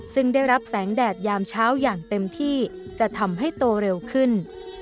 ซึ่งได้รับแสงแดดยามเช้าอย่างเต็มที่จะทำให้โตเร็วขึ้น